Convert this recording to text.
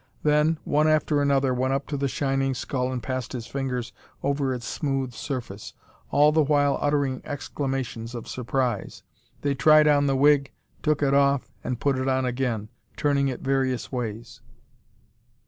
Then, one after another went up to the shining skull and passed his fingers over its smooth surface, all the while uttering exclamations of surprise. They tried on the wig, took it off, and put it on again, turning it in various ways.